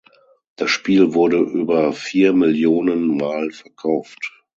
Das Spiel wurde über vier Millionen Mal verkauft.